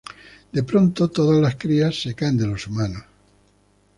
De pronto todas las crías se caen de los humanos.